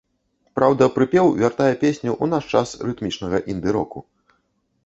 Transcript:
Праўда, прыпеў вяртае песню ў наш час рытмічнага інды-року.